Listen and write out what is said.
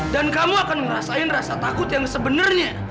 dan kamu akan ngerasain rasa takut yang sebenarnya